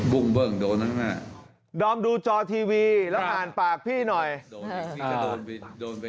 บุ้งเบิ่งโดนตั้งหน้าดอมดูจอทีวีแล้วอ่านปากพี่หน่อยโดนไป